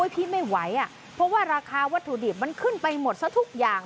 พี่ไม่ไหวเพราะว่าราคาวัตถุดิบมันขึ้นไปหมดซะทุกอย่าง